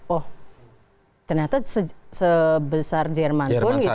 oh ternyata sebesar jerman pun gitu